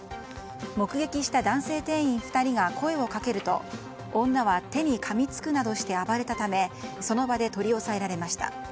目撃した男性店員２人が声をかけると女は手にかみつくなどして暴れたためその場で取り押さえられました。